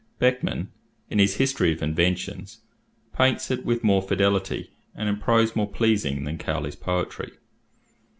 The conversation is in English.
Beckmann, in his History of Inventions, paints it with more fidelity, and in prose more pleasing than Cowley's poetry.